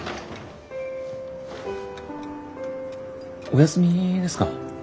お休みですか？